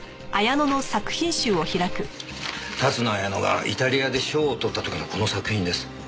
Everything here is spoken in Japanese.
龍野彩乃がイタリアで賞をとった時のこの作品です。